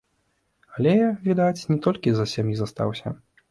Але, відаць, не толькі з-за сям'і застаўся.